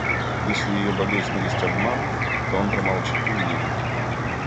Если ее болезнь есть обман, то он промолчит и уедет.